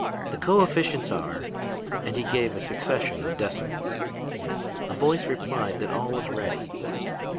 The coefficients are....' And he gave a succession of decimals. "A voice replied that all was ready.